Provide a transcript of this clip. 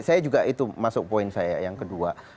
saya juga itu masuk poin saya yang kedua